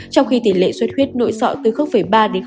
trong khi tỉ lệ suốt huyết nội sọ từ ba đến chín